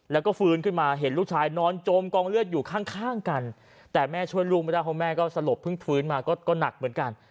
แล้วก็ฟื้นขึ้นมาเห็นลูกชายนอนจมกองเลือดอยู่ข้างกันแต่แม่ช่วยลูกไม่ได้เพราะแม่ก็สลบเพิ่งฟื้นมาก็หนักเหมือนกัน